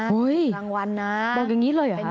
เฮ้ยบอกอย่างนี้เลยเหรอฮะ